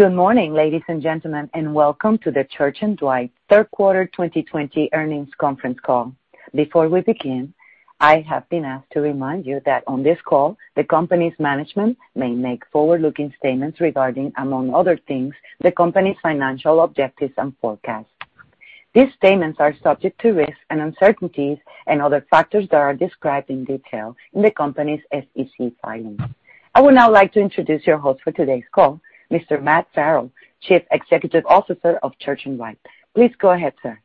Good morning, ladies and gentlemen, and welcome to the Church & Dwight third quarter 2020 earnings conference call. Before we begin, I have been asked to remind you that on this call, the company's management may make forward-looking statements regarding, among other things, the company's financial objectives and forecasts. These statements are subject to risks and uncertainties and other factors that are described in detail in the company's SEC filing. I would now like to introduce your host for today's call, Mr. Matt Farrell, Chief Executive Officer of Church & Dwight. Please go ahead, sir.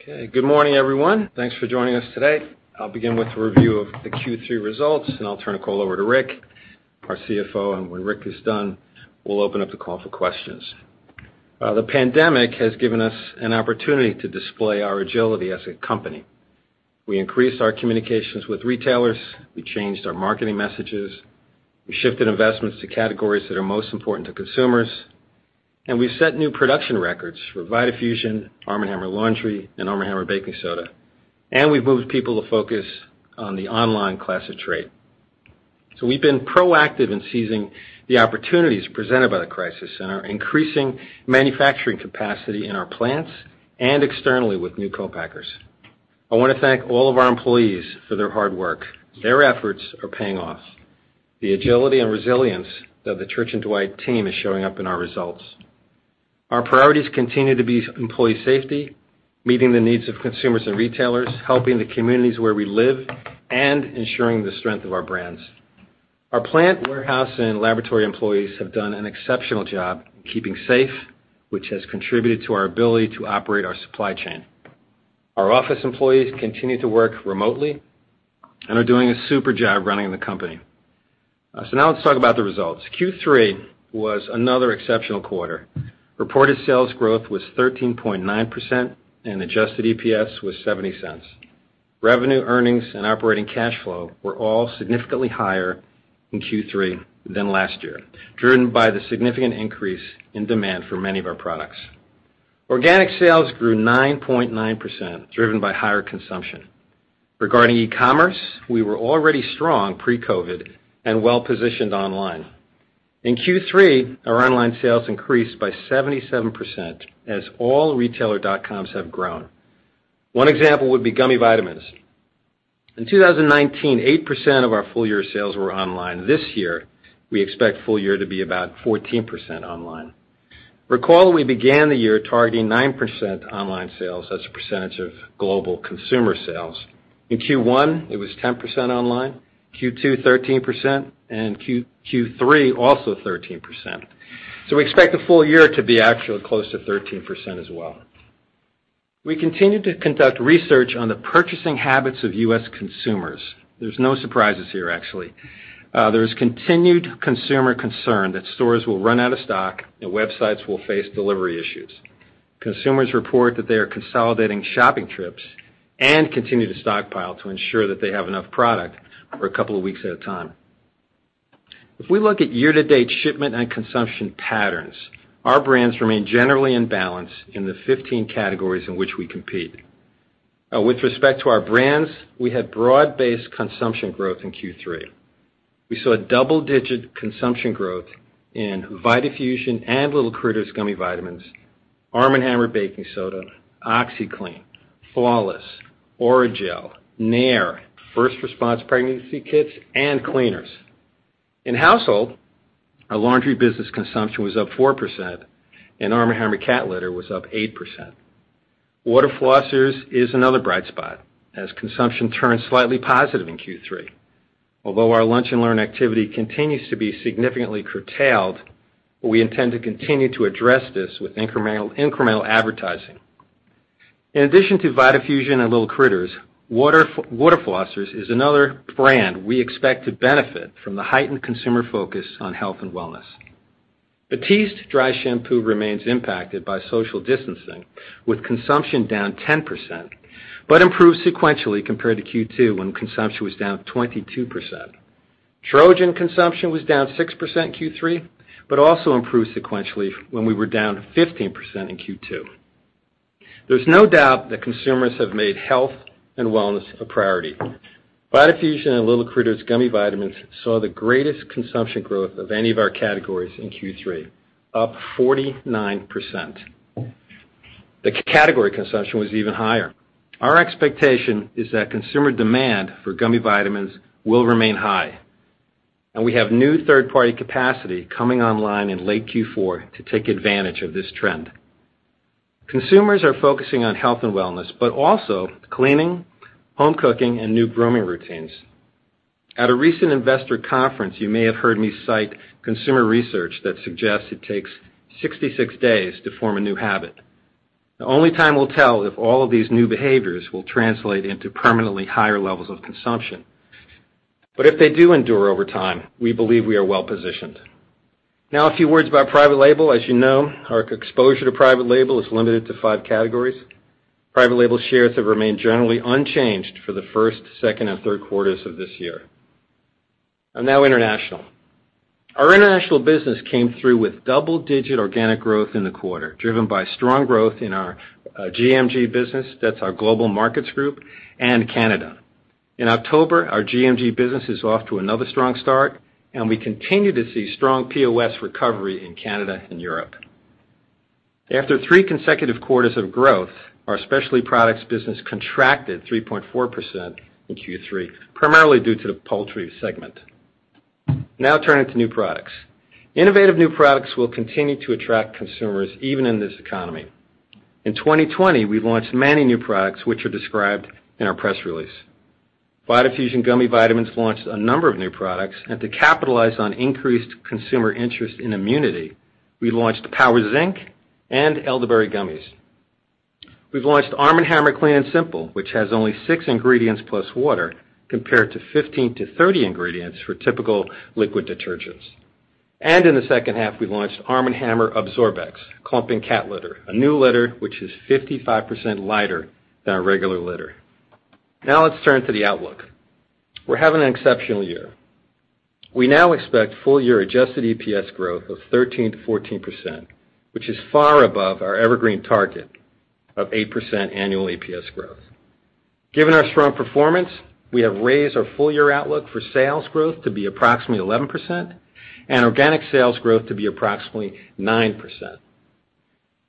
Okay. Good morning, everyone. Thanks for joining us today. I'll begin with a review of the Q3 results, and I'll turn the call over to Rick, our CFO. When Rick is done, we'll open up the call for questions. The pandemic has given us an opportunity to display our agility as a company. We increased our communications with retailers. We changed our marketing messages. We shifted investments to categories that are most important to consumers. We have set new production records for Vitafusion, Arm & Hammer Laundry, and Arm & Hammer Baking Soda. We have moved people to focus on the online class of trade. We have been proactive in seizing the opportunities presented by the crisis and are increasing manufacturing capacity in our plants and externally with new co-packers. I want to thank all of our employees for their hard work. Their efforts are paying off. The agility and resilience of the Church & Dwight team is showing up in our results. Our priorities continue to be employee safety, meeting the needs of consumers and retailers, helping the communities where we live, and ensuring the strength of our brands. Our plant warehouse and laboratory employees have done an exceptional job keeping safe, which has contributed to our ability to operate our supply chain. Our office employees continue to work remotely and are doing a super job running the company. Now let's talk about the results. Q3 was another exceptional quarter. Reported sales growth was 13.9%, and Adjusted EPS was $0.70. Revenue, earnings, and operating cash flow were all significantly higher in Q3 than last year, driven by the significant increase in demand for many of our products. Organic sales grew 9.9%, driven by higher consumption. Regarding e-commerce, we were already strong pre-COVID and well-positioned online. In Q3, our online sales increased by 77% as all retailer.coms have grown. One example would be gummy vitamins. In 2019, 8% of our full-year sales were online. This year, we expect full-year to be about 14% online. Recall we began the year targeting 9% online sales as a percentage of global consumer sales. In Q1, it was 10% online. Q2, 13%. Q3, also 13%. We expect the full year to be actually close to 13% as well. We continue to conduct research on the purchasing habits of U.S. consumers. There's no surprises here, actually. There is continued consumer concern that stores will run out of stock and websites will face delivery issues. Consumers report that they are consolidating shopping trips and continue to stockpile to ensure that they have enough product for a couple of weeks at a time. If we look at year-to-date shipment and consumption patterns, our brands remain generally in balance in the 15 categories in which we compete. With respect to our brands, we had broad-based consumption growth in Q3. We saw double-digit consumption growth in Vitafusion and L'il Critters Gummy Vitamins, Arm & Hammer Baking Soda, OxiClean, Flawless, Orajel, Nair, First Response pregnancy kits, and cleaners. In household, our laundry business consumption was up 4%, and ARM & HAMMER Cat Litter was up 8%. Water flossers is another bright spot as consumption turned slightly positive in Q3. Although our lunch and learn activity continues to be significantly curtailed, we intend to continue to address this with incremental advertising. In addition to Vitafusion and Little Critters, water flossers is another brand we expect to benefit from the heightened consumer focus on health and wellness. Batiste dry shampoo remains impacted by social distancing, with consumption down 10%, but improved sequentially compared to Q2 when consumption was down 22%. Trojan consumption was down 6% in Q3, but also improved sequentially when we were down 15% in Q2. There is no doubt that consumers have made health and wellness a priority. Vitafusion and Little Critters Gummy Vitamins saw the greatest consumption growth of any of our categories in Q3, up 49%. The category consumption was even higher. Our expectation is that consumer demand for gummy vitamins will remain high. We have new third-party capacity coming online in late Q4 to take advantage of this trend. Consumers are focusing on health and wellness, but also cleaning, home cooking, and new grooming routines. At a recent investor conference, you may have heard me cite consumer research that suggests it takes 66 days to form a new habit. Only time will tell if all of these new behaviors will translate into permanently higher levels of consumption. If they do endure over time, we believe we are well-positioned. Now, a few words about private label. As you know, our exposure to private label is limited to five categories. Private label shares have remained generally unchanged for the first, second, and third quarters of this year. Now, international. Our international business came through with double-digit organic growth in the quarter, driven by strong growth in our GMG business, that's our global markets group, and Canada. In October, our GMG business is off to another strong start, and we continue to see strong POS recovery in Canada and Europe. After three consecutive quarters of growth, our specialty products business contracted 3.4% in Q3, primarily due to the poultry segment. Now, turning to new products. Innovative new products will continue to attract consumers even in this economy. In 2020, we launched many new products, which are described in our press release. Vitafusion Gummy Vitamins launched a number of new products. To capitalize on increased consumer interest in immunity, we launched Power Zinc and Elderberry Gummies. We have launched Arm & Hammer Clean & Simple, which has only six ingredients plus water compared to 15-30 ingredients for typical liquid detergents. In the second half, we launched Arm & Hammer AbsorbX Clumping Cat Litter, a new litter which is 55% lighter than our regular litter. Now, let's turn to the outlook. We're having an exceptional year. We now expect full-year Adjusted EPS growth of 13-14%, which is far above our evergreen target of 8% annual EPS growth. Given our strong performance, we have raised our full-year outlook for sales growth to be approximately 11% and organic sales growth to be approximately 9%.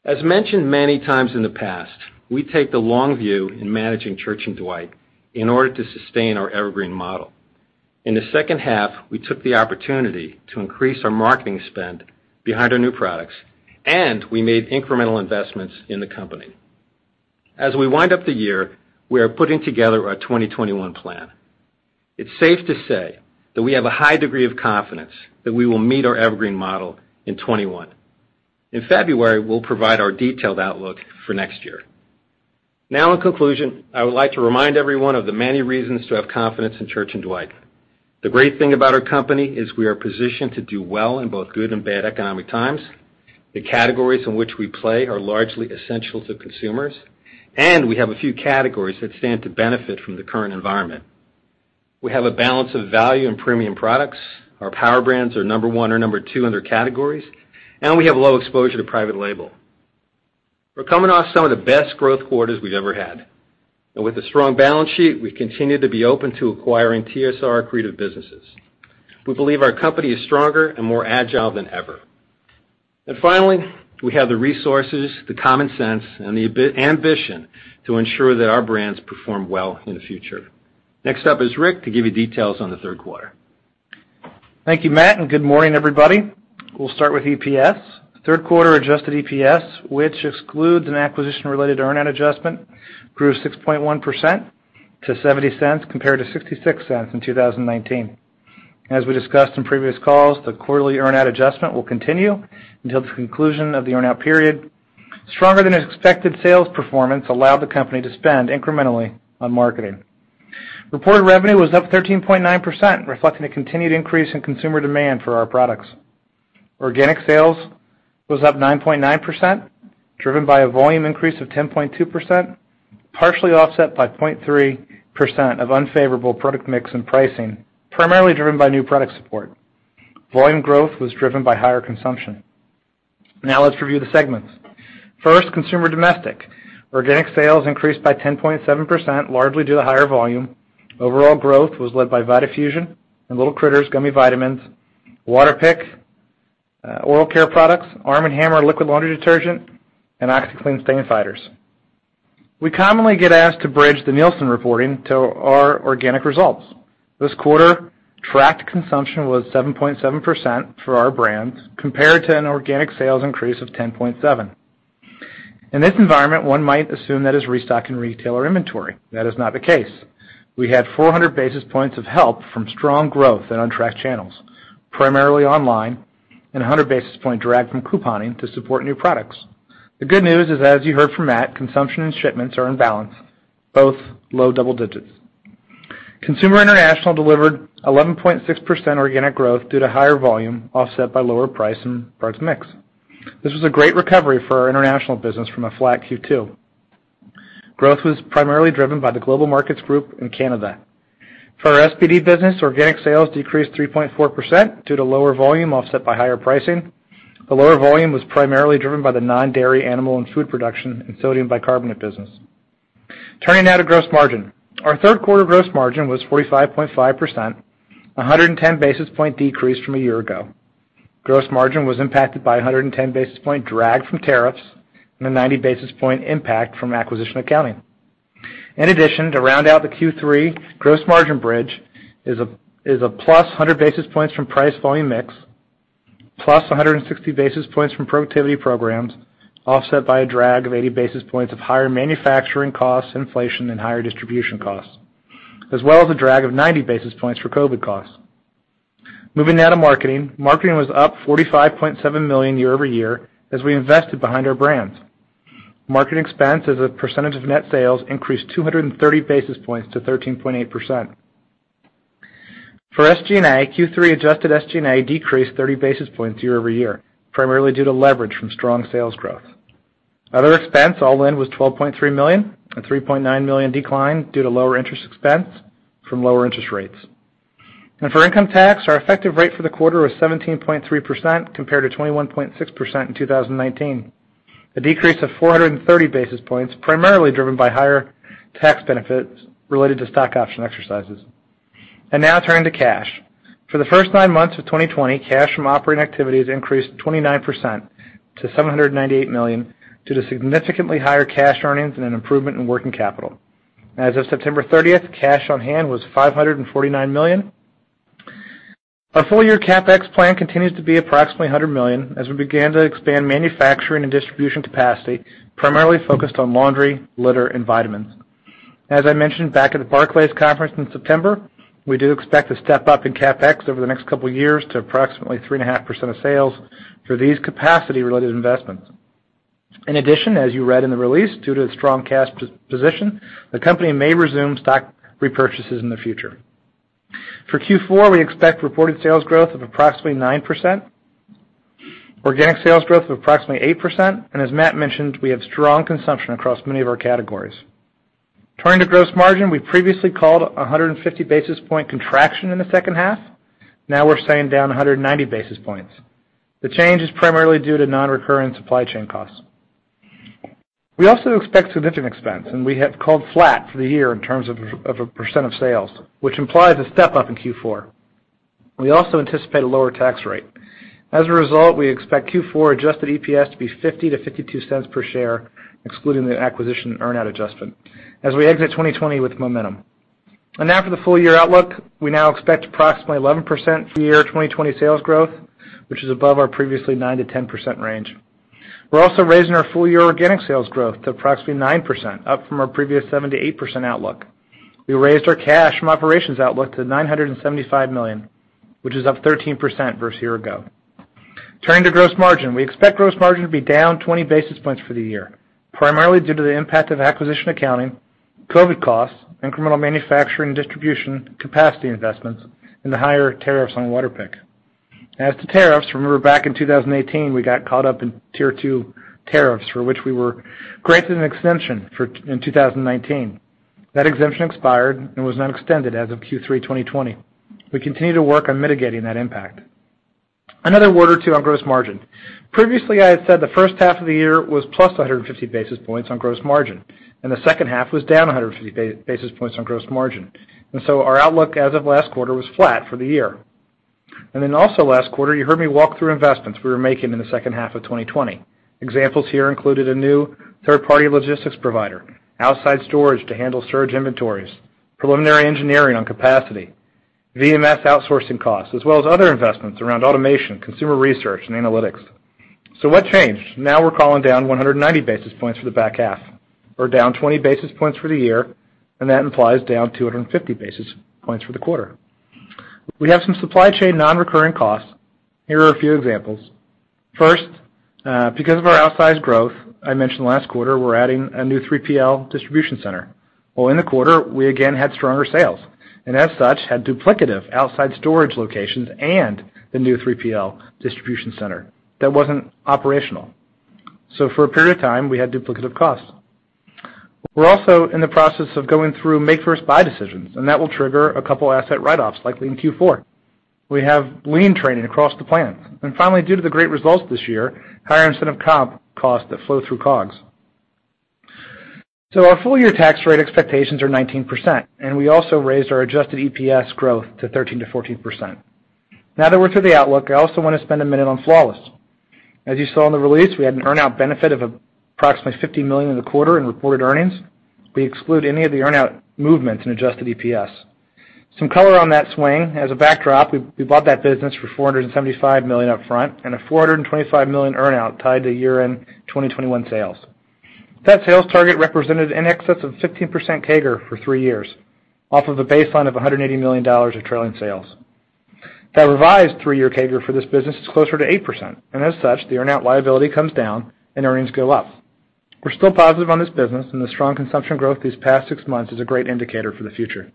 As mentioned many times in the past, we take the long view in managing Church & Dwight in order to sustain our evergreen model. In the second half, we took the opportunity to increase our marketing spend behind our new products, and we made incremental investments in the company. As we wind up the year, we are putting together our 2021 plan. It's safe to say that we have a high degree of confidence that we will meet our evergreen model in 2021. In February, we'll provide our detailed outlook for next year. Now, in conclusion, I would like to remind everyone of the many reasons to have confidence in Church & Dwight. The great thing about our company is we are positioned to do well in both good and bad economic times. The categories in which we play are largely essential to consumers. We have a few categories that stand to benefit from the current environment. We have a balance of value and premium products. Our power brands are number one or number two in their categories. We have low exposure to private label. We are coming off some of the best growth quarters we have ever had. With a strong balance sheet, we continue to be open to acquiring TSR accretive businesses. We believe our company is stronger and more agile than ever. Finally, we have the resources, the common sense, and the ambition to ensure that our brands perform well in the future. Next up is Rick to give you details on the third quarter. Thank you, Matt. Good morning, everybody. We'll start with EPS. Third quarter Adjusted EPS, which excludes an acquisition-related earn-out adjustment, grew 6.1% to $0.70 compared to $0.66 in 2019. As we discussed in previous calls, the quarterly earn-out adjustment will continue until the conclusion of the earn-out period. Stronger-than-expected sales performance allowed the company to spend incrementally on marketing. Reported revenue was up 13.9%, reflecting a continued increase in consumer demand for our products. Organic sales was up 9.9%, driven by a volume increase of 10.2%, partially offset by 0.3% of unfavorable product mix and pricing, primarily driven by new product support. Volume growth was driven by higher consumption. Now, let's review the segments. First, consumer domestic. Organic sales increased by 10.7%, largely due to higher volume. Overall growth was led by Vitafusion and Little Critters Gummy Vitamins, Waterpik, oral care products, Arm & Hammer Liquid Laundry Detergent, and OxiClean stain fighters. We commonly get asked to bridge the Nielsen reporting to our organic results. This quarter, tracked consumption was 7.7% for our brands compared to an organic sales increase of 10.7%. In this environment, one might assume that is restocking retailer inventory. That is not the case. We had 400 basis points of help from strong growth in untracked channels, primarily online, and 100 basis points dragged from couponing to support new products. The good news is, as you heard from Matt, consumption and shipments are in balance, both low double digits. Consumer international delivered 11.6% organic growth due to higher volume offset by lower price and product mix. This was a great recovery for our international business from a flat Q2. Growth was primarily driven by the global markets group in Canada. For our SPD business, organic sales decreased 3.4% due to lower volume offset by higher pricing. The lower volume was primarily driven by the non-dairy, animal, and food production and sodium bicarbonate business. Turning now to gross margin. Our third quarter gross margin was 45.5%, a 110 basis point decrease from a year ago. Gross margin was impacted by a 110 basis point drag from tariffs and a 90 basis point impact from acquisition accounting. In addition, to round out the Q3 gross margin bridge is a plus 100 basis points from price volume mix, plus 160 basis points from productivity programs, offset by a drag of 80 basis points of higher manufacturing costs, inflation, and higher distribution costs, as well as a drag of 90 basis points for COVID costs. Moving now to marketing. Marketing was up $45.7 million year over year as we invested behind our brands. Marketing expense as a percentage of net sales increased 230 basis points to 13.8%. For SG&A, Q3 adjusted SG&A decreased 30 basis points year over year, primarily due to leverage from strong sales growth. Other expense all in was $12.3 million, a $3.9 million decline due to lower interest expense from lower interest rates. For income tax, our effective rate for the quarter was 17.3% compared to 21.6% in 2019, a decrease of 430 basis points primarily driven by higher tax benefits related to stock option exercises. Now, turning to cash. For the first nine months of 2020, cash from operating activities increased 29% to $798 million due to significantly higher cash earnings and an improvement in working capital. As of September 30th, cash on hand was $549 million. Our full-year CapEx plan continues to be approximately $100 million as we began to expand manufacturing and distribution capacity, primarily focused on laundry, litter, and vitamins. As I mentioned back at the Barclays Conference in September, we do expect a step up in CapEx over the next couple of years to approximately 3.5% of sales for these capacity-related investments. In addition, as you read in the release, due to the strong cash position, the company may resume stock repurchases in the future. For Q4, we expect reported sales growth of approximately 9%, organic sales growth of approximately 8%. As Matt mentioned, we have strong consumption across many of our categories. Turning to gross margin, we previously called a 150 basis point contraction in the second half. Now, we're saying down 190 basis points. The change is primarily due to non-recurring supply chain costs. We also expect significant expense, and we have called flat for the year in terms of a percent of sales, which implies a step up in Q4. We also anticipate a lower tax rate. As a result, we expect Q4 Adjusted EPS to be $0.50-$0.52 per share, excluding the acquisition earn-out adjustment, as we exit 2020 with momentum. For the full-year outlook, we now expect approximately 11% year 2020 sales growth, which is above our previously 9-10% range. We're also raising our full-year organic sales growth to approximately 9%, up from our previous 7-8% outlook. We raised our cash from operations outlook to $975 million, which is up 13% versus a year ago. Turning to gross margin, we expect gross margin to be down 20 basis points for the year, primarily due to the impact of acquisition accounting, COVID costs, incremental manufacturing and distribution capacity investments, and the higher tariffs on Waterpik. As to tariffs, remember back in 2018, we got caught up in tier two tariffs for which we were granted an exemption in 2019. That exemption expired and was not extended as of Q3 2020. We continue to work on mitigating that impact. Another word or two on gross margin. Previously, I had said the first half of the year was plus 150 basis points on gross margin, and the second half was down 150 basis points on gross margin. Our outlook as of last quarter was flat for the year. Last quarter, you heard me walk through investments we were making in the second half of 2020. Examples here included a new third-party logistics provider, outside storage to handle surge inventories, preliminary engineering on capacity, VMS outsourcing costs, as well as other investments around automation, consumer research, and analytics. What changed? Now, we're calling down 190 basis points for the back half, or down 20 basis points for the year, and that implies down 250 basis points for the quarter. We have some supply chain non-recurring costs. Here are a few examples. First, because of our outsized growth, I mentioned last quarter, we're adding a new 3PL distribution center. In the quarter, we again had stronger sales and, as such, had duplicative outside storage locations and the new 3PL distribution center that was not operational. For a period of time, we had duplicative costs. We're also in the process of going through make-versus-buy decisions, and that will trigger a couple of asset write-offs, likely in Q4. We have lean training across the plant. Finally, due to the great results this year, higher incentive comp costs that flow through COGS. Our full-year tax rate expectations are 19%, and we also raised our Adjusted EPS growth to 13-14%. Now that we're through the outlook, I also want to spend a minute on Flawless. As you saw in the release, we had an earn-out benefit of approximately $50 million in the quarter in reported earnings. We exclude any of the earn-out movements in Adjusted EPS. Some color on that swing. As a backdrop, we bought that business for $475 million upfront and a $425 million earn-out tied to year-end 2021 sales. That sales target represented an excess of 15% CAGR for three years off of a baseline of $180 million of trailing sales. That revised three-year CAGR for this business is closer to 8%. As such, the earn-out liability comes down and earnings go up. We're still positive on this business, and the strong consumption growth these past six months is a great indicator for the future.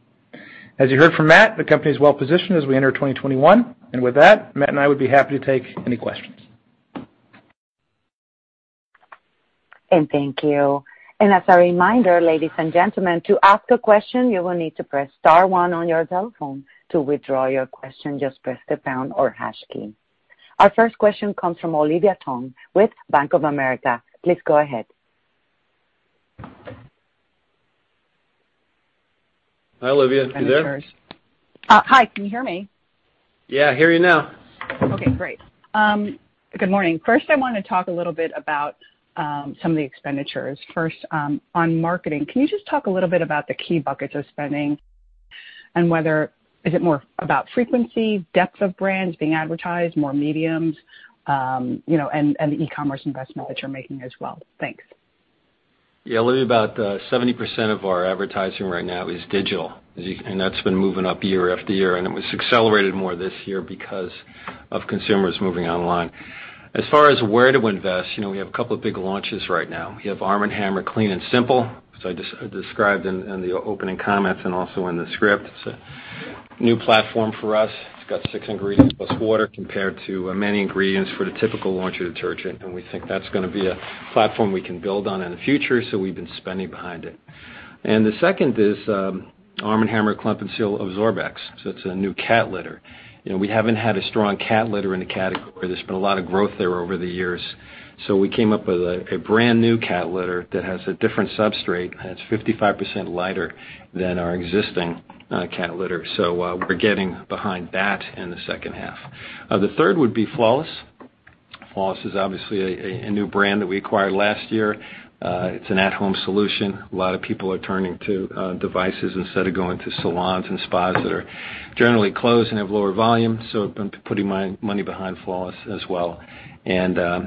As you heard from Matt, the company is well-positioned as we enter 2021. Matt and I would be happy to take any questions. Thank you. As a reminder, ladies and gentlemen, to ask a question, you will need to press star one on your telephone. To withdraw your question, just press the pound or hash key. Our first question comes from Olivia Tong with Bank of America. Please go ahead. Hi, Olivia. You there? Hi. Can you hear me? Yeah. I hear you now. Okay. Great. Good morning. First, I want to talk a little bit about some of the expenditures. First, on marketing, can you just talk a little bit about the key buckets of spending and whether is it more about frequency, depth of brands being advertised, more mediums, and the e-commerce investment that you're making as well? Thanks. Yeah. Olivia, about 70% of our advertising right now is digital. And that's been moving up year after year. It was accelerated more this year because of consumers moving online. As far as where to invest, we have a couple of big launches right now. We have Arm & Hammer Clean & Simple, as I described in the opening comments and also in the script. It's a new platform for us. It's got six ingredients plus water compared to many ingredients for the typical laundry detergent. We think that's going to be a platform we can build on in the future. We've been spending behind it. The second is Arm & Hammer Clump & Seal AbsorbX. It's a new cat litter. We haven't had a strong cat litter in the category. There's been a lot of growth there over the years. We came up with a brand new cat litter that has a different substrate. It's 55% lighter than our existing cat litter. We're getting behind that in the second half. The third would be Flawless. Flawless is obviously a new brand that we acquired last year. It's an at-home solution. A lot of people are turning to devices instead of going to salons and spas that are generally closed and have lower volume. I've been putting my money behind Flawless as well. Again,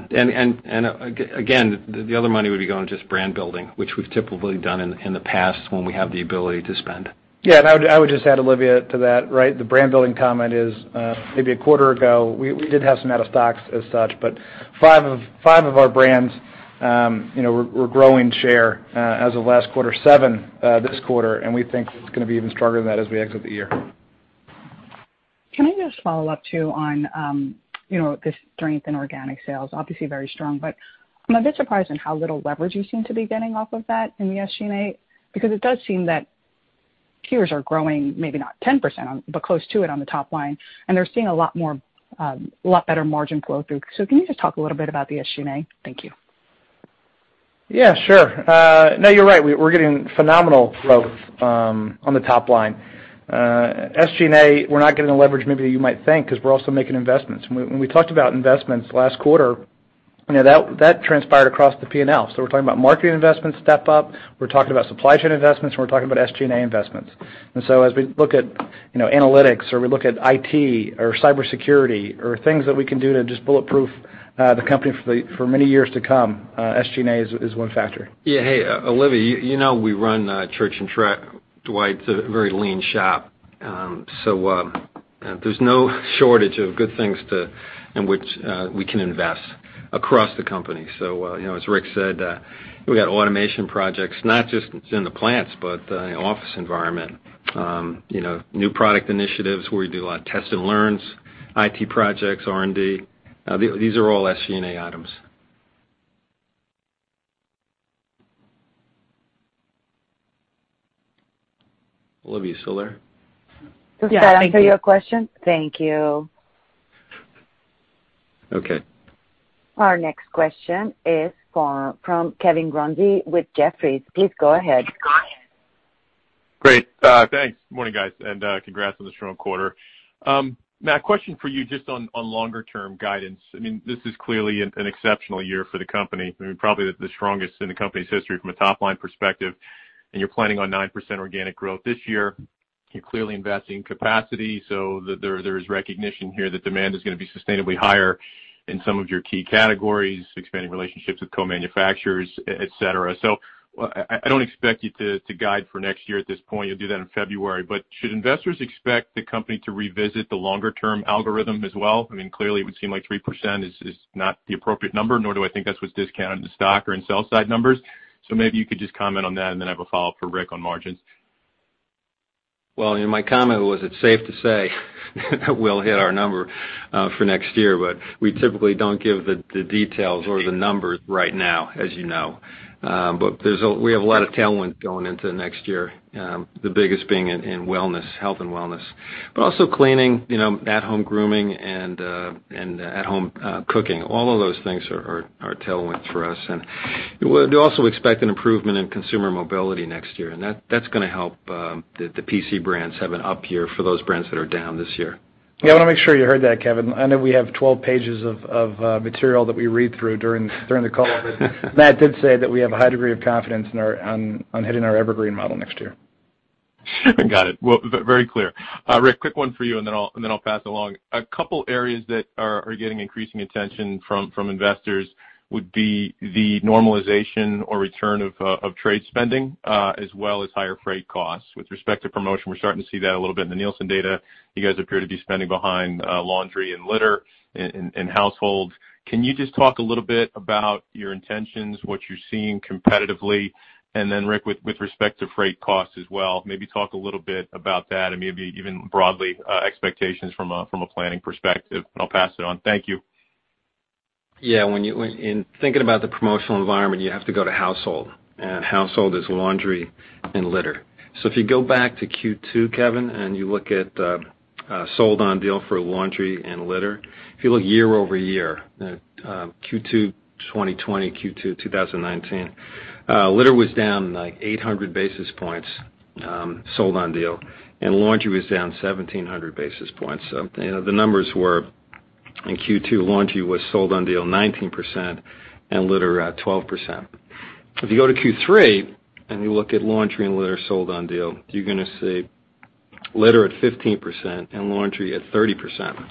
the other money would be going to just brand building, which we've typically done in the past when we have the ability to spend. Yeah. I would just add, Olivia, to that, right? The brand building comment is maybe a quarter ago, we did have some out of stocks as such, but five of our brands were growing share as of last quarter, seven this quarter. We think it's going to be even stronger than that as we exit the year. Can I just follow up too on this strength in organic sales? Obviously, very strong. I am a bit surprised in how little leverage you seem to be getting off of that in the SG&A because it does seem that SG&A are growing maybe not 10%, but close to it on the top line. They are seeing a lot better margin flow through. Can you just talk a little bit about the SG&A? Thank you. Yeah. Sure. No, you're right. We're getting phenomenal growth on the top line. SG&A, we're not getting the leverage maybe that you might think because we're also making investments. When we talked about investments last quarter, that transpired across the P&L. We're talking about marketing investments, step up. We're talking about supply chain investments, and we're talking about SG&A investments. As we look at analytics, or we look at IT, or cybersecurity, or things that we can do to just bulletproof the company for many years to come, SG&A is one factor. Yeah. Hey, Olivia, you know we run Church & Dwight's a very lean shop. There's no shortage of good things in which we can invest across the company. As Rick said, we got automation projects, not just in the plants, but in the office environment, new product initiatives where we do a lot of test and learns, IT projects, R&D. These are all SG&A items. Olivia, you still there? Just to answer your question. Thank you. Okay. Our next question is from Kevin Grundy with Jefferies. Please go ahead. Great. Thanks. Good morning, guys. And congrats on the strong quarter. Matt, question for you just on longer-term guidance. I mean, this is clearly an exceptional year for the company. I mean, probably the strongest in the company's history from a top-line perspective. And you're planning on 9% organic growth this year. You're clearly investing in capacity. So there is recognition here that demand is going to be sustainably higher in some of your key categories, expanding relationships with co-manufacturers, etc. I don't expect you to guide for next year at this point. You'll do that in February. Should investors expect the company to revisit the longer-term algorithm as well? I mean, clearly, it would seem like 3% is not the appropriate number, nor do I think that's what's discounted in stock or in sell-side numbers. Maybe you could just comment on that, and then I have a follow-up for Rick on margins. It is safe to say we'll hit our number for next year, but we typically don't give the details or the numbers right now, as you know. We have a lot of tailwinds going into next year, the biggest being in health and wellness, but also cleaning, at-home grooming, and at-home cooking. All of those things are tailwinds for us. We also expect an improvement in consumer mobility next year. That is going to help the PC brands have an up year for those brands that are down this year. Yeah. I want to make sure you heard that, Kevin. I know we have 12 pages of material that we read through during the call, but Matt did say that we have a high degree of confidence in hitting our evergreen model next year. Got it. Very clear. Rick, quick one for you, and then I'll pass along. A couple of areas that are getting increasing attention from investors would be the normalization or return of trade spending, as well as higher freight costs. With respect to promotion, we're starting to see that a little bit in the Nielsen data. You guys appear to be spending behind laundry and litter in households. Can you just talk a little bit about your intentions, what you're seeing competitively? Rick, with respect to freight costs as well, maybe talk a little bit about that and maybe even broadly expectations from a planning perspective. I'll pass it on. Thank you. Yeah. In thinking about the promotional environment, you have to go to household. Household is laundry and litter. If you go back to Q2, Kevin, and you look at sold-on deal for laundry and litter, if you look year over year, Q2 2020, Q2 2019, litter was down like 800 basis points sold-on deal, and laundry was down 1,700 basis points. The numbers were in Q2, laundry was sold-on deal 19% and litter 12%. If you go to Q3 and you look at laundry and litter sold-on deal, you're going to see litter at 15% and laundry at 30%.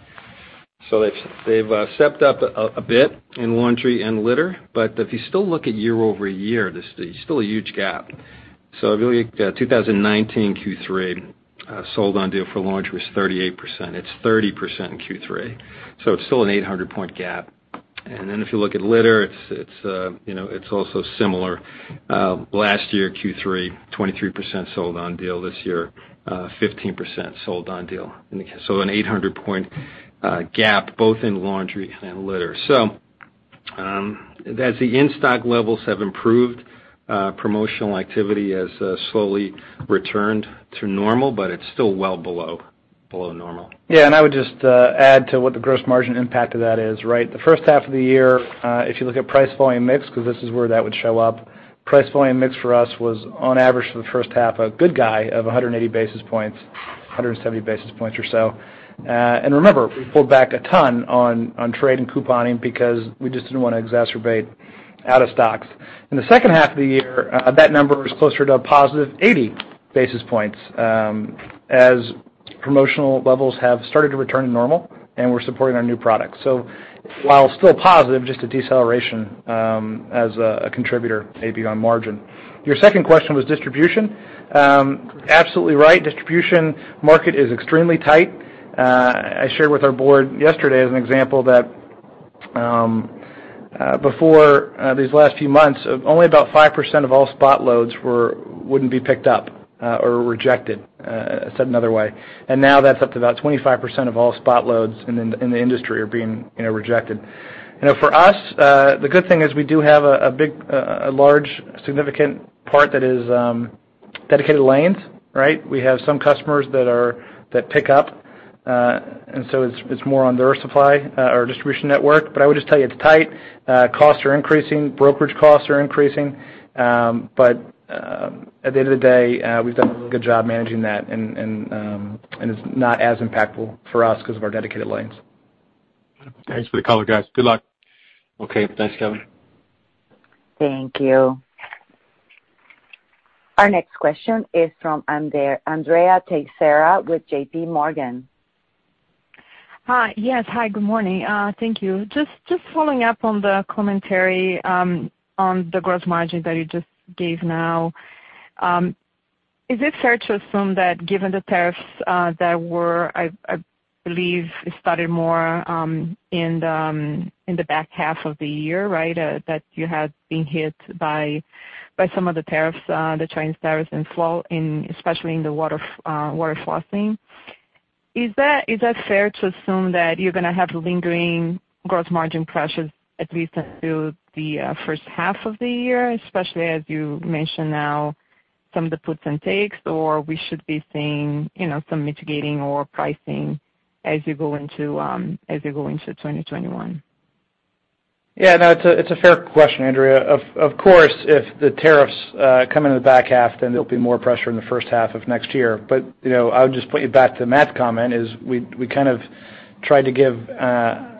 They have stepped up a bit in laundry and litter, but if you still look at year over year, there's still a huge gap. I believe 2019 Q3 sold-on deal for laundry was 38%. It's 30% in Q3. It's still an 800-point gap. If you look at litter, it's also similar. Last year, Q3, 23% sold-on deal. This year, 15% sold-on deal. An 800-point gap, both in laundry and in litter. As the in-stock levels have improved, promotional activity has slowly returned to normal, but it's still well below normal. Yeah. I would just add to what the gross margin impact of that is, right? The first half of the year, if you look at price volume mix, because this is where that would show up, price volume mix for us was, on average for the first half, a good guy of 180 basis points, 170 basis points or so. Remember, we pulled back a ton on trade and couponing because we just did not want to exacerbate out-of-stocks. In the second half of the year, that number was closer to a positive 80 basis points as promotional levels have started to return to normal, and we are supporting our new products. While still positive, just a deceleration as a contributor, maybe on margin. Your second question was distribution. Absolutely right. Distribution market is extremely tight. I shared with our board yesterday as an example that before these last few months, only about 5% of all spot loads would not be picked up or rejected. I said another way, and now that is up to about 25% of all spot loads in the industry are being rejected. For us, the good thing is we do have a large significant part that is dedicated lanes, right? We have some customers that pick up, and so it is more on their supply or distribution network. I would just tell you it is tight. Costs are increasing. Brokerage costs are increasing. At the end of the day, we have done a really good job managing that. It is not as impactful for us because of our dedicated lanes. Thanks for the call, guys. Good luck. Okay. Thanks, Kevin. Thank you. Our next question is from Andrea Teixeira with J.P. Morgan. Hi. Yes. Hi. Good morning. Thank you. Just following up on the commentary on the gross margin that you just gave now, is it fair to assume that given the tariffs that were, I believe, started more in the back half of the year, right, that you had been hit by some of the tariffs, the Chinese tariffs in flow, especially in the water flossing? Is that fair to assume that you're going to have lingering gross margin pressures at least through the first half of the year, especially as you mentioned now, some of the puts and takes, or we should be seeing some mitigating or pricing as you go into 2021? Yeah. No, it's a fair question, Andrea. Of course, if the tariffs come in the back half, then there'll be more pressure in the first half of next year. I would just point you back to Matt's comment is we kind of tried to give kind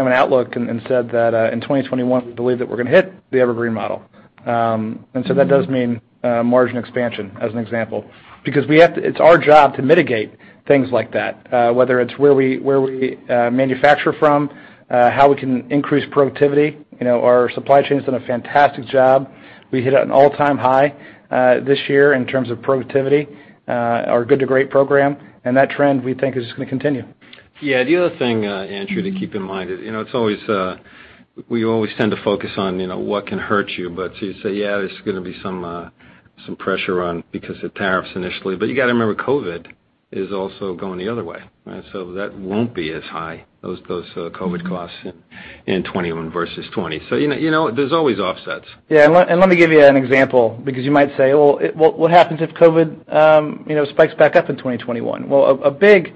of an outlook and said that in 2021, we believe that we're going to hit the evergreen model. That does mean margin expansion as an example because it's our job to mitigate things like that, whether it's where we manufacture from, how we can increase productivity. Our supply chain has done a fantastic job. We hit an all-time high this year in terms of productivity, our good-to-great program. That trend, we think, is just going to continue. Yeah. The other thing, Andrew, to keep in mind is we always tend to focus on what can hurt you. You say, yeah, there's going to be some pressure because of tariffs initially. You got to remember COVID is also going the other way, right? That will not be as high, those COVID costs in 2021 versus 2020. There are always offsets. Yeah. Let me give you an example because you might say, what happens if COVID spikes back up in 2021? A big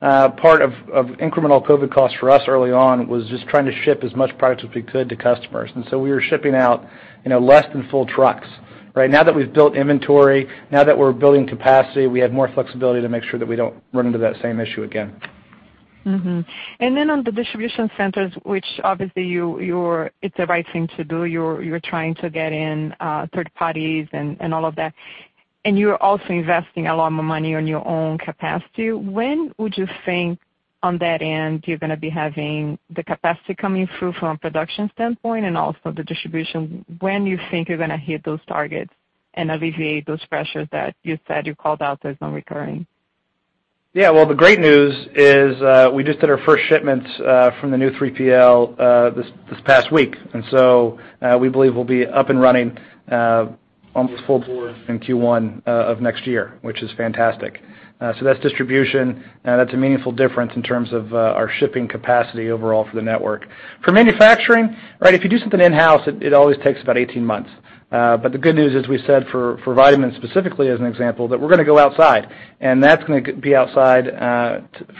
part of incremental COVID costs for us early on was just trying to ship as much product as we could to customers. We were shipping out less than full trucks, right? Now that we have built inventory, now that we are building capacity, we have more flexibility to make sure that we do not run into that same issue again. On the distribution centers, which obviously it's the right thing to do, you're trying to get in third parties and all of that. You're also investing a lot more money on your own capacity. When would you think on that end you're going to be having the capacity coming through from a production standpoint and also the distribution? When do you think you're going to hit those targets and alleviate those pressures that you said you called out as non-recurring? Yeah. The great news is we just did our first shipments from the new 3PL this past week. We believe we'll be up and running almost full board in Q1 of next year, which is fantastic. That is distribution. That is a meaningful difference in terms of our shipping capacity overall for the network. For manufacturing, right, if you do something in-house, it always takes about 18 months. The good news is we said for vitamins specifically as an example that we're going to go outside. That is going to be outside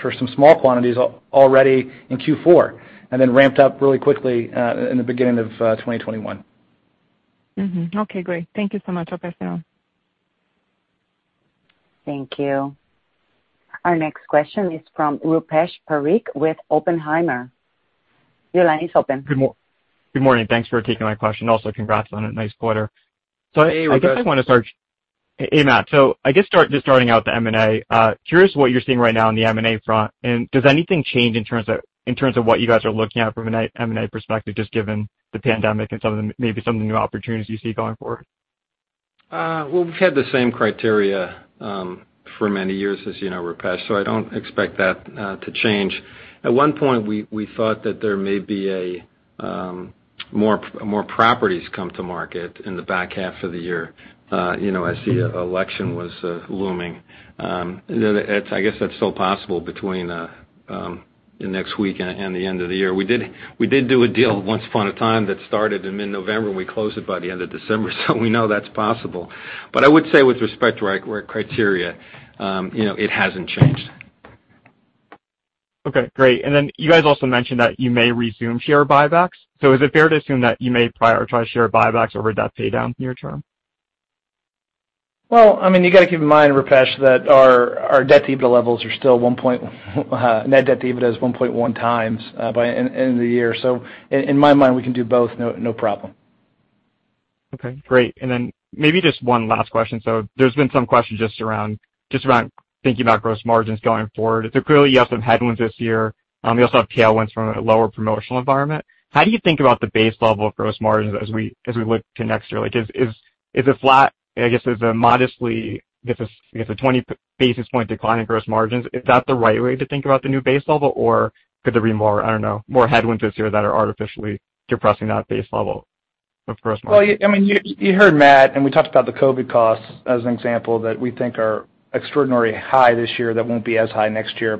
for some small quantities already in Q4 and then ramped up really quickly in the beginning of 2021. Okay. Great. Thank you so much, pass it on. Thank you. Our next question is from Rupesh Parikh with Oppenheimer. Your line is open. Good morning. Thanks for taking my question. Also, congrats on a nice quarter. I guess I want to start. Hey, Matt. Hey, Matt. I guess just starting out the M&A, curious what you're seeing right now on the M&A front. Does anything change in terms of what you guys are looking at from an M&A perspective, just given the pandemic and maybe some of the new opportunities you see going forward? We have had the same criteria for many years, as you know, Rupesh. I do not expect that to change. At one point, we thought that there may be more properties come to market in the back half of the year as the election was looming. I guess that is still possible between next week and the end of the year. We did do a deal once upon a time that started in mid-November, and we closed it by the end of December. We know that is possible. I would say with respect to our criteria, it has not changed. Okay. Great. You guys also mentioned that you may resume share buybacks. Is it fair to assume that you may prioritize share buybacks over debt paydown near-term? I mean, you got to keep in mind, Rupesh, that our debt-to-EBITDA levels are still net debt-to-EBITDA is 1.1 times by the end of the year. So in my mind, we can do both, no problem. Okay. Great. Maybe just one last question. There's been some questions just around thinking about gross margins going forward. Clearly, you also have headwinds this year. You also have tailwinds from a lower promotional environment. How do you think about the base level of gross margins as we look to next year? Is it flat? I guess it's a modestly, I guess, a 20 basis point decline in gross margins. Is that the right way to think about the new base level, or could there be more, I don't know, more headwinds this year that are artificially depressing that base level of gross margins? I mean, you heard Matt, and we talked about the COVID costs as an example that we think are extraordinarily high this year that will not be as high next year.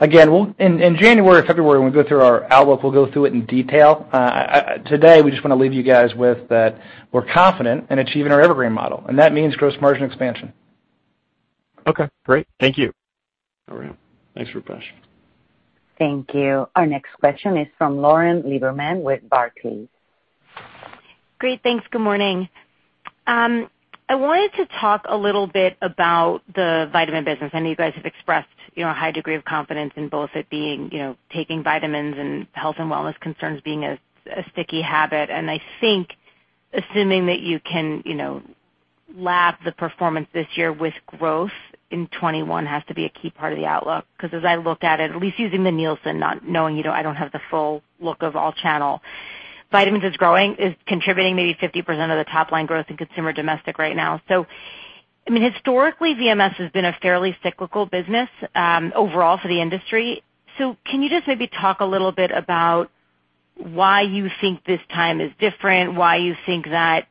Again, in January or February, when we go through our outlook, we will go through it in detail. Today, we just want to leave you guys with that we are confident in achieving our evergreen model. That means gross margin expansion. Okay. Great. Thank you. All right. Thanks, Rupesh. Thank you. Our next question is from Lauren Lieberman with Barclays. Great. Thanks. Good morning. I wanted to talk a little bit about the vitamin business. I know you guys have expressed a high degree of confidence in both it being taking vitamins and health and wellness concerns being a sticky habit. I think, assuming that you can lap the performance this year with growth in 2021 has to be a key part of the outlook because as I look at it, at least using the Nielsen, not knowing I do not have the full look of all channel, vitamins is growing, is contributing maybe 50% of the top-line growth in consumer domestic right now. I mean, historically, VMS has been a fairly cyclical business overall for the industry. Can you just maybe talk a little bit about why you think this time is different, why you think that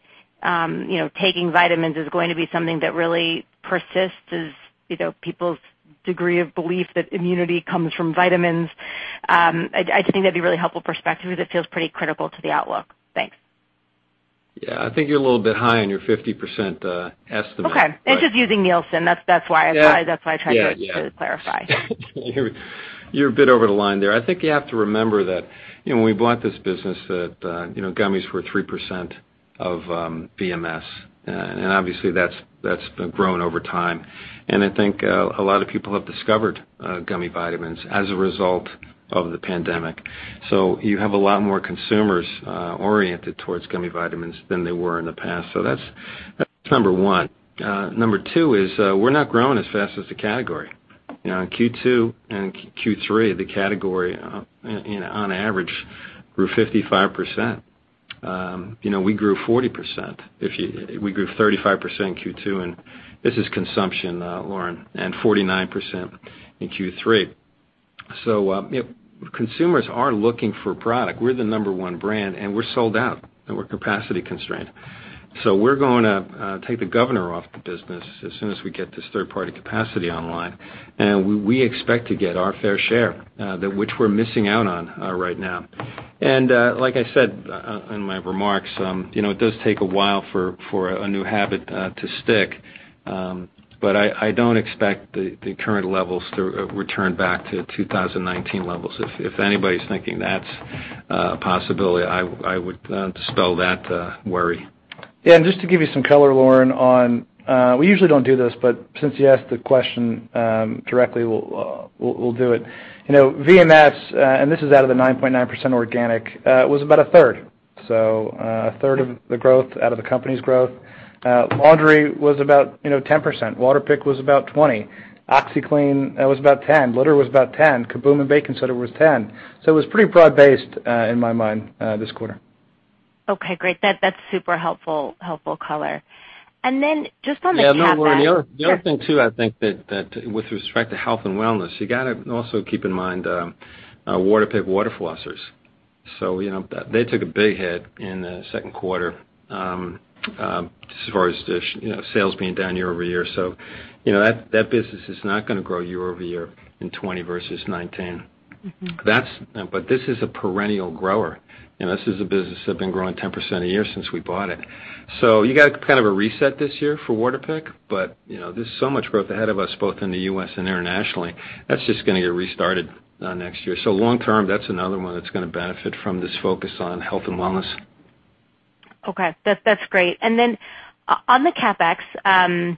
taking vitamins is going to be something that really persists as people's degree of belief that immunity comes from vitamins? I just think that'd be a really helpful perspective because it feels pretty critical to the outlook. Thanks. Yeah. I think you're a little bit high on your 50% estimate. Okay. It's just using Nielsen. That's why I tried to clarify. Yeah. You're a bit over the line there. I think you have to remember that when we bought this business, gummies were 3% of VMS. And obviously, that's grown over time. I think a lot of people have discovered gummy vitamins as a result of the pandemic. You have a lot more consumers oriented towards gummy vitamins than they were in the past. That's number one. Number two is we're not growing as fast as the category. In Q2 and Q3, the category on average grew 55%. We grew 40%. We grew 35% in Q2. This is consumption, Lauren, and 49% in Q3. Consumers are looking for a product. We're the number one brand, and we're sold out. We're capacity constrained. We're going to take the governor off the business as soon as we get this third-party capacity online. We expect to get our fair share, which we're missing out on right now. Like I said in my remarks, it does take a while for a new habit to stick. I don't expect the current levels to return back to 2019 levels. If anybody's thinking that's a possibility, I would dispel that worry. Yeah. And just to give you some color, Lauren, on we usually do not do this, but since you asked the question directly, we will do it. VMS, and this is out of the 9.9% organic, was about a third. So a third of the growth out of the company's growth. Laundry was about 10%. Waterpik was about 20%. OxiClean was about 10%. Litter was about 10%. Kaboom and Baking Soda was 10%. It was pretty broad-based in my mind this quarter. Okay. Great. That's super helpful color. Then just on the top line. Yeah. Lauren, the other thing too, I think that with respect to health and wellness, you got to also keep in mind Waterpik water flossers. They took a big hit in the second quarter as far as sales being down year over year. That business is not going to grow year over year in 2020 versus 2019. This is a perennial grower. This is a business that's been growing 10% a year since we bought it. You got to kind of reset this year for Waterpik. There is so much growth ahead of us both in the U.S. and internationally. That is just going to get restarted next year. Long-term, that is another one that is going to benefit from this focus on health and wellness. Okay. That's great. On the CapEx,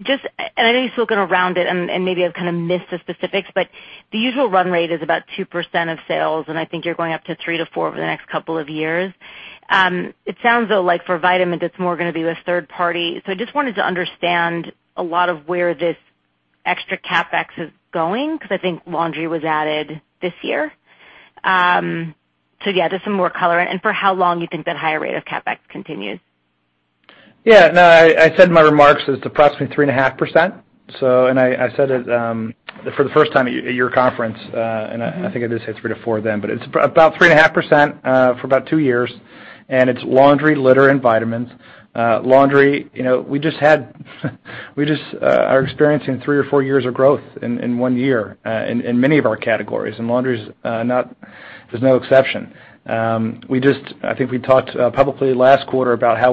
and I know you're still going to round it, and maybe I've kind of missed the specifics, but the usual run rate is about 2% of sales. I think you're going up to 3-4% over the next couple of years. It sounds though like for vitamins, it's more going to be with third parties. I just wanted to understand a lot of where this extra CapEx is going because I think laundry was added this year. Just some more color. For how long do you think that higher rate of CapEx continues? Yeah. No, I said in my remarks it's approximately 3.5%. I said it for the first time at your conference. I think I did say 3-4% then. It's about 3.5% for about two years. It's laundry, litter, and vitamins. Laundry, we just are experiencing three or four years of growth in one year in many of our categories. Laundry is no exception. I think we talked publicly last quarter about how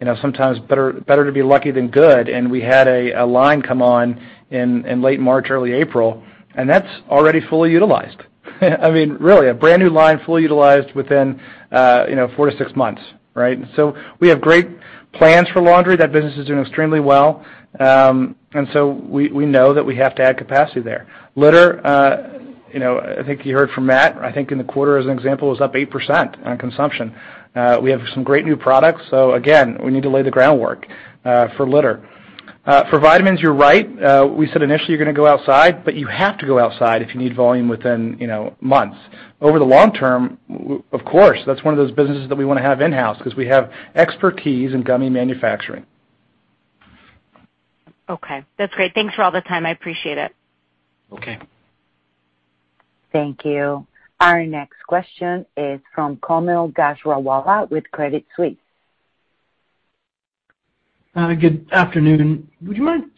it's sometimes better to be lucky than good. We had a line come on in late March, early April. That's already fully utilized. I mean, really, a brand new line fully utilized within four to six months, right? We have great plans for laundry. That business is doing extremely well. We know that we have to add capacity there. Litter, I think you heard from Matt. I think in the quarter, as an example, it was up 8% on consumption. We have some great new products. Again, we need to lay the groundwork for litter. For vitamins, you're right. We said initially you're going to go outside, but you have to go outside if you need volume within months. Over the long term, of course, that's one of those businesses that we want to have in-house because we have expertise in gummy manufacturing. Okay. That's great. Thanks for all the time. I appreciate it. Okay. Thank you. Our next question is from Kaumil Gajrawala with Credit Suisse. Good afternoon. Would you mind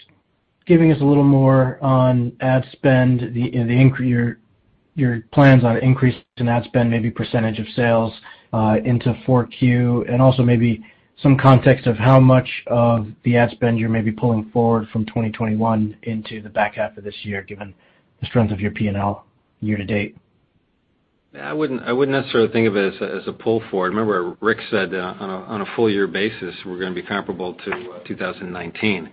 giving us a little more on ad spend, your plans on increasing ad spend, maybe percentage of sales into 4Q, and also maybe some context of how much of the ad spend you're maybe pulling forward from 2021 into the back half of this year given the strength of your P&L year to date? Yeah. I would not necessarily think of it as a pull forward. Remember, Rick said on a full-year basis, we are going to be comparable to 2019.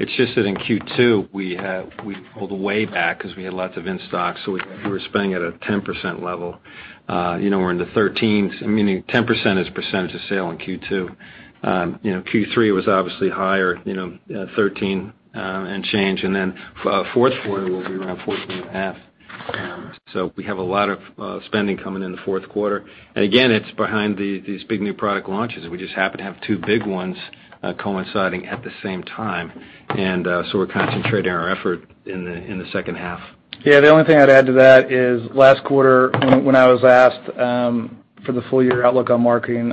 It is just that in Q2, we pulled way back because we had lots of in-stock. So we were spending at a 10% level. We are in the 13s. I mean, 10% is percentage of sale in Q2. Q3 was obviously higher, 13 and change. Fourth quarter will be around 14.5%. We have a lot of spending coming in the fourth quarter. Again, it is behind these big new product launches. We just happen to have two big ones coinciding at the same time. We are concentrating our effort in the second half. Yeah. The only thing I'd add to that is last quarter, when I was asked for the full-year outlook on marketing,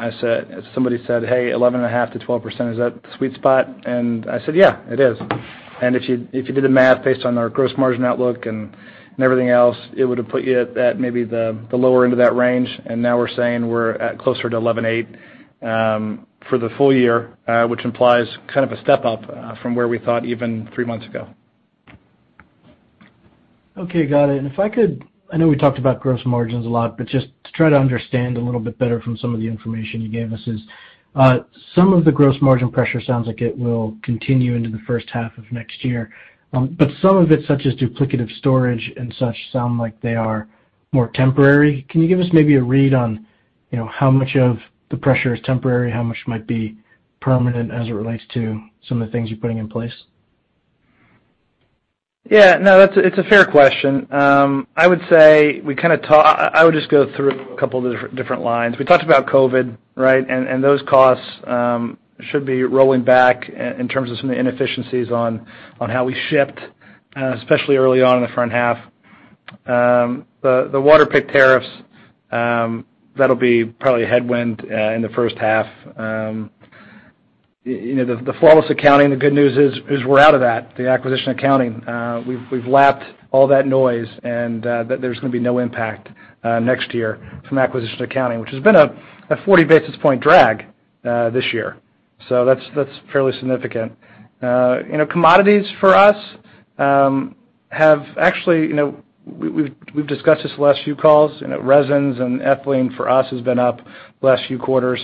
somebody said, "Hey, 11.5-12% is that the sweet spot?" And I said, "Yeah, it is." If you did the math based on our gross margin outlook and everything else, it would have put you at maybe the lower end of that range. Now we're saying we're closer to 11.8% for the full year, which implies kind of a step up from where we thought even three months ago. Okay. Got it. If I could, I know we talked about gross margins a lot, just to try to understand a little bit better from some of the information you gave us, some of the gross margin pressure sounds like it will continue into the first half of next year. Some of it, such as duplicative storage and such, sound like they are more temporary. Can you give us maybe a read on how much of the pressure is temporary, how much might be permanent as it relates to some of the things you're putting in place? Yeah. No, it's a fair question. I would say we kind of talked, I would just go through a couple of different lines. We talked about COVID, right? Those costs should be rolling back in terms of some of the inefficiencies on how we shipped, especially early on in the front half. The Waterpik tariffs, that'll be probably a headwind in the first half. The Flawless accounting, the good news is we're out of that, the acquisition accounting. We've lapped all that noise, and there's going to be no impact next year from acquisition accounting, which has been a 40 basis point drag this year. That's fairly significant. Commodities for us have actually, we've discussed this the last few calls. Resins and ethylene for us have been up the last few quarters.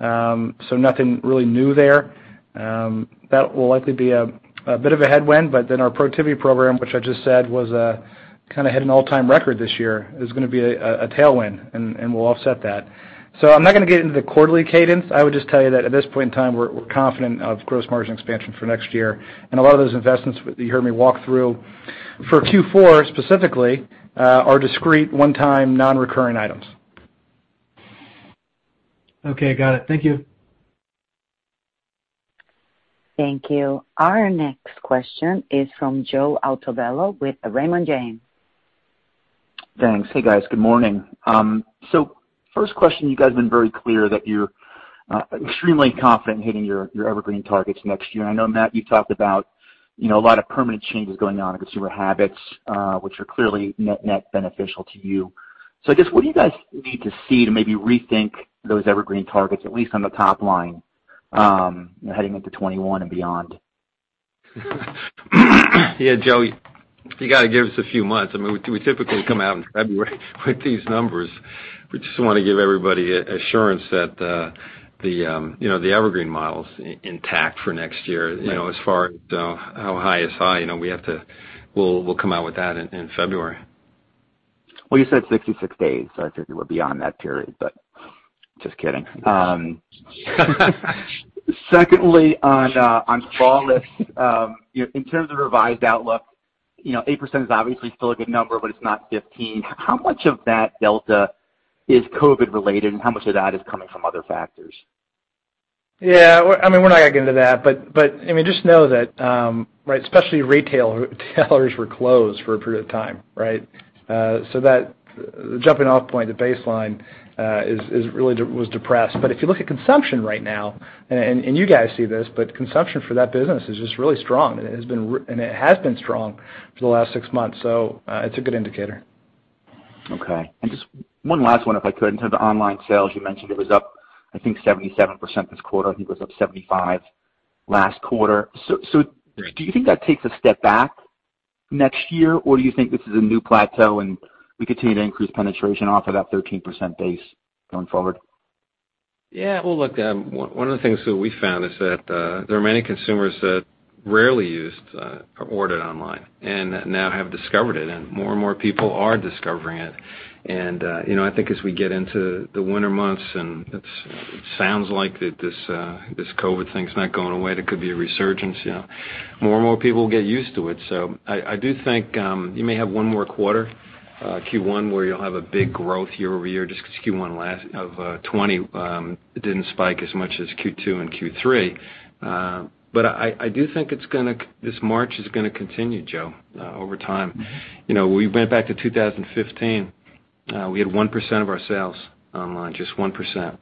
Nothing really new there. That will likely be a bit of a headwind. Our productivity program, which I just said was kind of hit an all-time record this year, is going to be a tailwind, and we'll offset that. I am not going to get into the quarterly cadence. I would just tell you that at this point in time, we're confident of gross margin expansion for next year. A lot of those investments you heard me walk through for Q4 specifically are discrete one-time non-recurring items. Okay. Got it. Thank you. Thank you. Our next question is from Joe Altobello with Raymond James. Thanks. Hey, guys. Good morning. First question, you guys have been very clear that you're extremely confident in hitting your evergreen targets next year. I know, Matt, you've talked about a lot of permanent changes going on in consumer habits, which are clearly net-net beneficial to you. I guess what do you guys need to see to maybe rethink those evergreen targets, at least on the top line, heading into 2021 and beyond? Yeah. Joe, you got to give us a few months. I mean, we typically come out in February with these numbers. We just want to give everybody assurance that the evergreen model's intact for next year. As far as how high is high, we have to—we'll come out with that in February. You said 66 days. I figured we're beyond that period, just kidding. Secondly, on Flawless, in terms of revised outlook, 8% is obviously still a good number, but it's not 15. How much of that delta is COVID-related, and how much of that is coming from other factors? Yeah. I mean, we're not going to get into that. I mean, just know that, right, especially retailers were closed for a period of time, right? That jumping-off point, the baseline, was depressed. If you look at consumption right now, and you guys see this, consumption for that business is just really strong. It has been strong for the last six months. It is a good indicator. Okay. And just one last one, if I could. In terms of online sales, you mentioned it was up, I think, 77% this quarter. I think it was up 75% last quarter. Do you think that takes a step back next year, or do you think this is a new plateau and we continue to increase penetration off of that 13% base going forward? Yeah. Look, one of the things that we found is that there are many consumers that rarely used or ordered online and now have discovered it. More and more people are discovering it. I think as we get into the winter months, and it sounds like this COVID thing's not going away, there could be a resurgence. More and more people get used to it. I do think you may have one more quarter, Q1, where you'll have a big growth year over year, just because Q1 of 2020 did not spike as much as Q2 and Q3. I do think this march is going to continue, Joe, over time. We went back to 2015. We had 1% of our sales online, just 1%.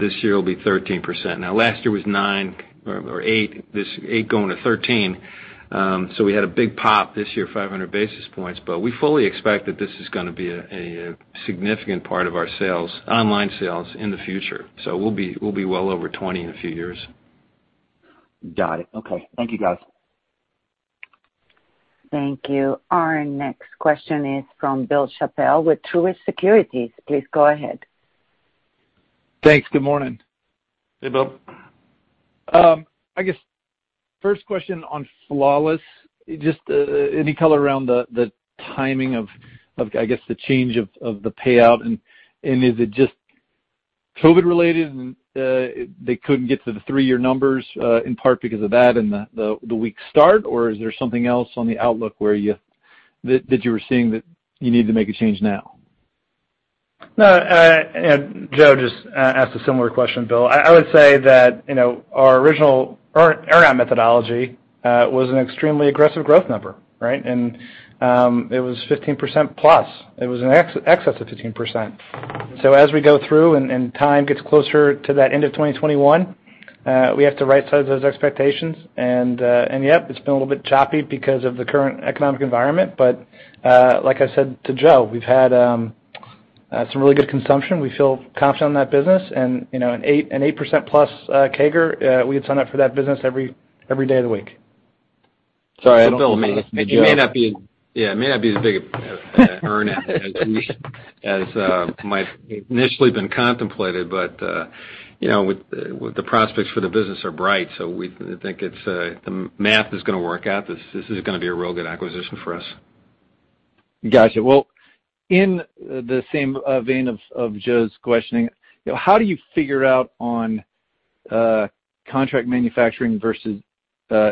This year, it'll be 13%. Last year was 9 or 8, 8 going to 13. We had a big pop this year, 500 basis points. We fully expect that this is going to be a significant part of our sales, online sales, in the future. We'll be well over 20 in a few years. Got it. Okay. Thank you, guys. Thank you. Our next question is from Bill Chappell with Truist Securities. Please go ahead. Thanks. Good morning. Hey, Bill. I guess first question on Flawless, just any color around the timing of, I guess, the change of the payout. Is it just COVID-related and they could not get to the three-year numbers in part because of that and the weak start? Or is there something else on the outlook that you were seeing that you need to make a change now? No. Joe just asked a similar question, Bill. I would say that our original earn-out methodology was an extremely aggressive growth number, right? It was 15% plus. It was in excess of 15%. As we go through and time gets closer to that end of 2021, we have to right-size those expectations. Yep, it's been a little bit choppy because of the current economic environment. Like I said to Joe, we've had some really good consumption. We feel confident on that business. An 8% plus CAGR, we'd sign up for that business every day of the week. Sorry, Bill. You may not be as, yeah, it may not be as big an earn-out as might initially have been contemplated. The prospects for the business are bright. We think the math is going to work out. This is going to be a real good acquisition for us. Gotcha.In the same vein of Joe's questioning, how do you figure out on contract manufacturing versus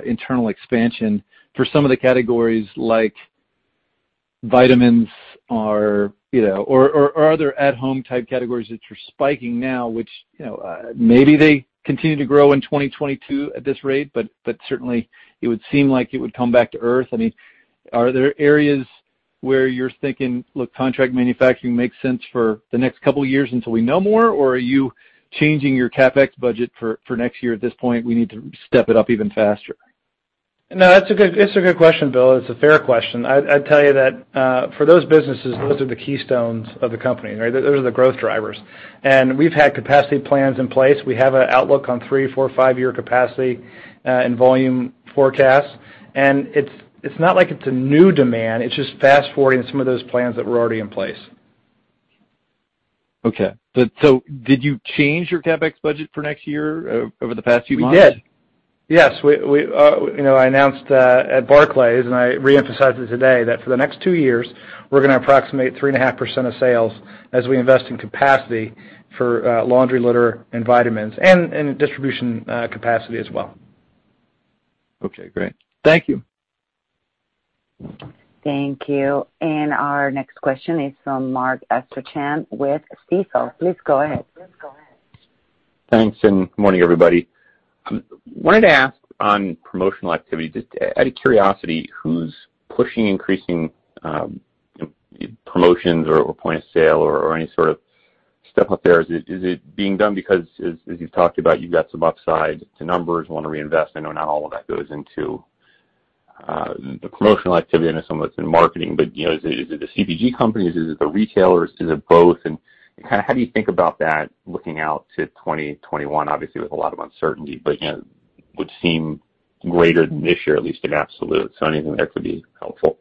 internal expansion for some of the categories like vitamins or other at-home type categories that are spiking now, which maybe they continue to grow in 2022 at this rate, but certainly, it would seem like it would come back to earth. I mean, are there areas where you're thinking, "Look, contract manufacturing makes sense for the next couple of years until we know more"? Or are you changing your CapEx budget for next year at this point? We need to step it up even faster. No, that's a good question, Bill. It's a fair question. I'd tell you that for those businesses, those are the keystones of the company, right? Those are the growth drivers. And we've had capacity plans in place. We have an outlook on three, four, five-year capacity and volume forecasts. It is not like it is a new demand. It is just fast-forwarding some of those plans that were already in place. Okay. Did you change your CapEx budget for next year over the past few months? We did. Yes. I announced at Barclays, and I re-emphasized it today, that for the next two years, we're going to approximate 3.5% of sales as we invest in capacity for laundry, litter, and vitamins, and distribution capacity as well. Okay. Great. Thank you. Thank you. Our next question is from Mark Astrachan with Stifel. Please go ahead. Thanks. Good morning, everybody. I wanted to ask on promotional activity, just out of curiosity, who's pushing increasing promotions or point of sale or any sort of step up there? Is it being done because, as you've talked about, you've got some upside to numbers, want to reinvest? I know not all of that goes into the promotional activity and some of it's in marketing. Is it the CPG companies? Is it the retailers? Is it both? How do you think about that looking out to 2021, obviously, with a lot of uncertainty, but would seem greater than this year, at least in absolute. Anything there could be helpful.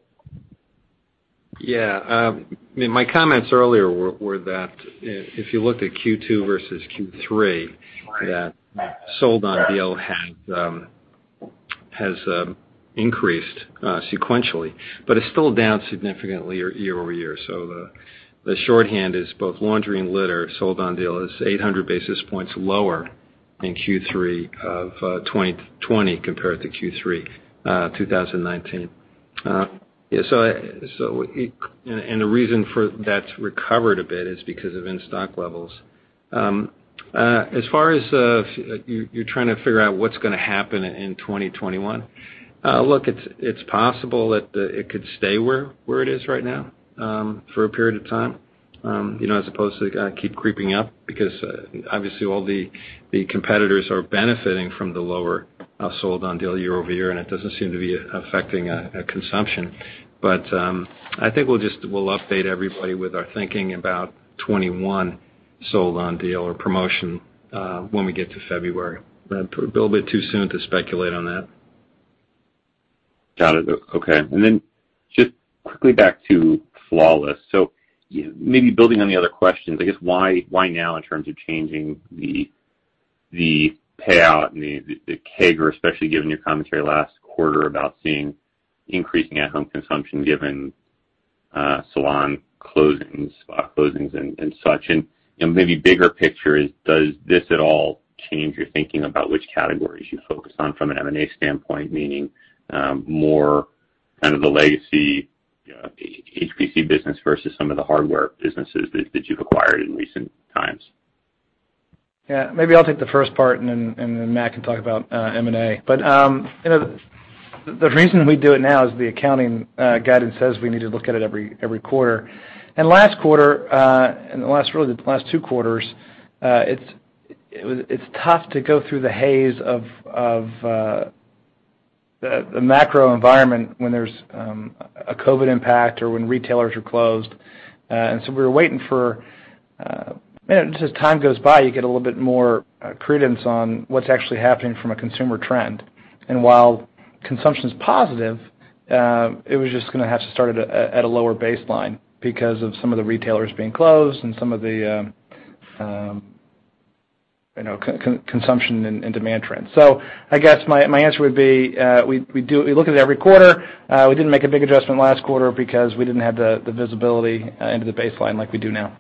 Yeah. I mean, my comments earlier were that if you looked at Q2 versus Q3, that sold-on deal has increased sequentially, but it's still down significantly year over year. The shorthand is both laundry and litter sold-on deal is 800 basis points lower in Q3 2020 compared to Q3 2019. Yeah. The reason for that's recovered a bit is because of in-stock levels. As far as you're trying to figure out what's going to happen in 2021, look, it's possible that it could stay where it is right now for a period of time as opposed to keep creeping up because, obviously, all the competitors are benefiting from the lower sold-on deal year over year, and it doesn't seem to be affecting consumption. I think we'll update everybody with our thinking about 2021 sold-on deal or promotion when we get to February. A little bit too soon to speculate on that. Got it. Okay. And then just quickly back to Flawless. Maybe building on the other questions, I guess, why now in terms of changing the payout and the CAGR, especially given your commentary last quarter about seeing increasing at-home consumption given salon closings, spa closings, and such? Maybe bigger picture, does this at all change your thinking about which categories you focus on from an M&A standpoint, meaning more kind of the legacy HPC business versus some of the hardware businesses that you've acquired in recent times? Yeah. Maybe I'll take the first part, and then Matt can talk about M&A. The reason we do it now is the accounting guidance says we need to look at it every quarter. Last quarter, and really the last two quarters, it's tough to go through the haze of the macro environment when there's a COVID impact or when retailers are closed. We were waiting for, just as time goes by, you get a little bit more credence on what's actually happening from a consumer trend. While consumption's positive, it was just going to have to start at a lower baseline because of some of the retailers being closed and some of the consumption and demand trends. I guess my answer would be we look at it every quarter. We didn't make a big adjustment last quarter because we didn't have the visibility into the baseline like we do now.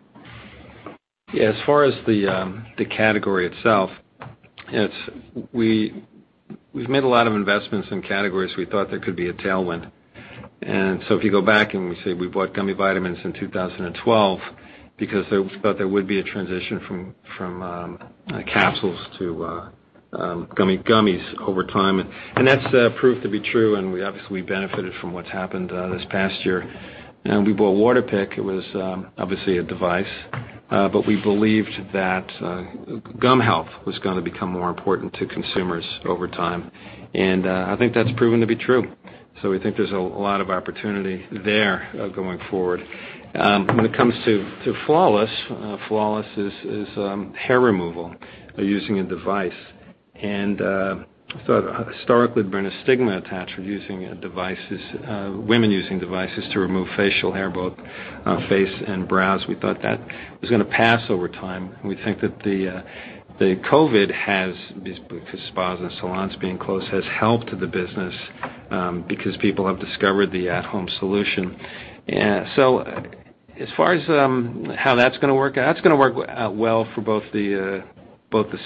Yeah. As far as the category itself, we've made a lot of investments in categories we thought there could be a tailwind. If you go back and we say we bought gummy vitamins in 2012 because we thought there would be a transition from capsules to gummies over time. That's proved to be true. Obviously, we benefited from what's happened this past year. We bought Waterpik. It was obviously a device. We believed that gum health was going to become more important to consumers over time. I think that's proven to be true. We think there's a lot of opportunity there going forward. When it comes to Flawless, Flawless is hair removal or using a device. We thought historically there'd been a stigma attached with women using devices to remove facial hair, both face and brows. We thought that was going to pass over time. We think that the COVID has, because spas and salons being closed, has helped the business because people have discovered the at-home solution. As far as how that's going to work out, that's going to work out well for both the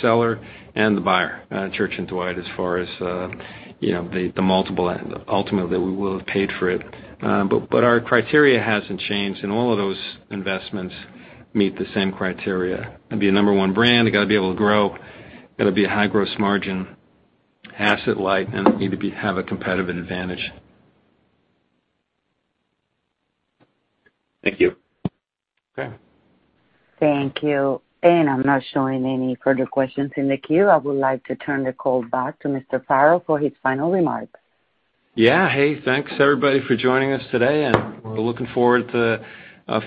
seller and the buyer, Church & Dwight, as far as the multiple end, ultimately, that we will have paid for it. Our criteria hasn't changed. All of those investments meet the same criteria. To be a number one brand, you got to be able to grow. You got to be a high gross margin, asset light, and need to have a competitive advantage. Thank you. Okay. Thank you. I'm not showing any further questions in the queue. I would like to turn the call back to Mr. Farrell for his final remarks. Yeah. Hey, thanks everybody for joining us today. We are looking forward to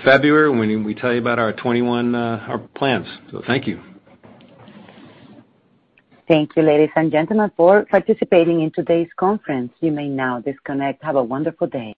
February when we tell you about our 2021 plans. Thank you. Thank you, ladies and gentlemen, for participating in today's conference. You may now disconnect. Have a wonderful day.